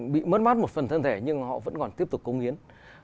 bị mất mát một phần thân thể nhưng họ vẫn còn tiếp tục công hiến